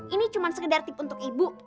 ini cuma sekedar tip untuk ibu